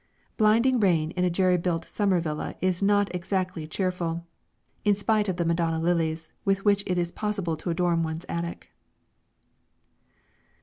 Blinding rain in a jerry built summer villa is not exactly cheerful, in spite of the Madonna lilies with which it is possible to adorn one's attic.